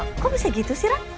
kok bisa gitu sih rak